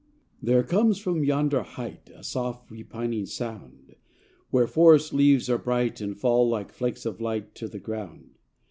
There comes, from yonder height, A soft repining sound, Where forest leaves are bright, And fall, like flakes of light, To the ground.